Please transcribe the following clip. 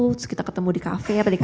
terus kita ketemu di kafe atau di kantin